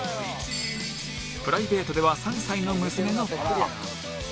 プライベートでは３歳の娘のパパ